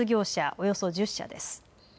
およそ１０社です。